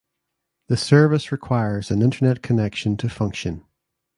The service requires an Internet connection to function.